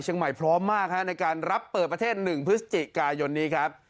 พร้อมมากในการรับเปิดประเทศ๑พฤศจิกายนนี้ครับ